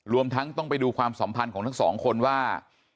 ทั้งต้องไปดูความสัมพันธ์ของทั้งสองคนว่า